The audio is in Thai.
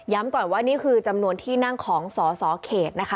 ก่อนว่านี่คือจำนวนที่นั่งของสอสอเขตนะคะ